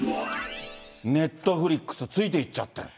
ネットフリックス、ついていっちゃって。